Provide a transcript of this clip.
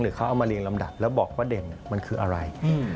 เขาเอามาเรียงลำดับแล้วบอกว่าเด่นมันคืออะไร